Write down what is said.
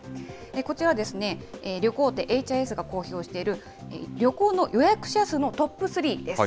こちらですね、旅行大手、ＨＩＳが公表している旅行の予約者数のトップ３です。